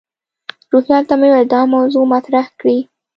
روهیال ته مې وویل دا موضوع مطرح کړي.